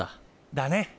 だね！